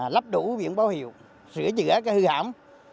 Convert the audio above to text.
lắp đủ viện báo hiệu sửa chữa cái hư hãm